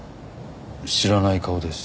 知らない顔です